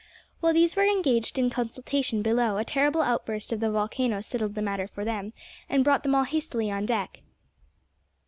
While these were engaged in consultation below, a terrible outburst of the volcano settled the matter for them, and brought them all hastily on deck.